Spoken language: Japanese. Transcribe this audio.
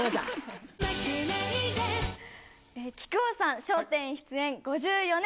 木久扇さん、笑点出演５４年。